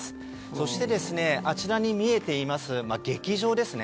そして、あちらに見えています劇場ですね。